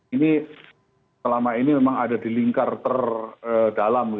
ini selama ini memang ada di lingkar terdalam